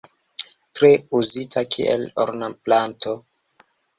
Tre uzita kiel ornamplanto.